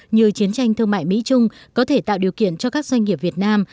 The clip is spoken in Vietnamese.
như chiến tranh thương mại mỹ trung có thể tạo điều kiện cho các doanh nghiệp việt nam